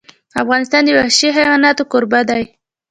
افغانستان د وحشي حیوانات کوربه دی.